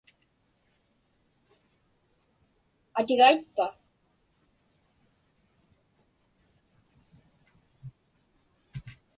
Atigaitpa?